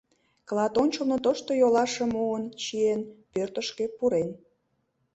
Клат ончылно тошто йолашым муын чиен, пӧртышкӧ пурен.